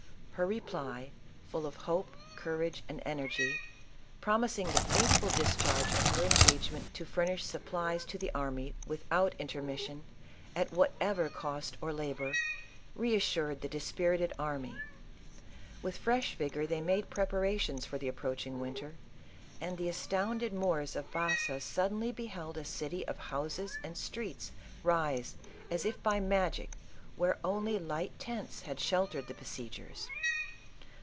Her reply, full of hope, courage and energy, promising the faithful discharge of her engage ment to furnish supplies to the army without intermis sion, at whatever cost or labor, reassured the dispirited army. "With fresh vigor they made preparations for the approaching winter, and the astounded Moors of Baza suddenly beheld a city of houses and streets rise as if by magic, where only light tents had sheltered the ISABELLA OF CASTILE. 109 besiegers.